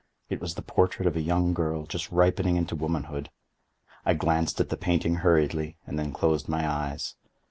It was the portrait of a young girl just ripening into womanhood. I glanced at the painting hurriedly, and then closed my eyes.